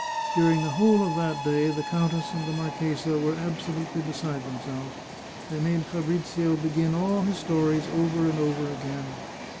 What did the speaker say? During the whole of that day the countess and the marchesa were absolutely beside themselves ; they made Fabrizio begin all his stories over and over again.